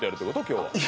今日は。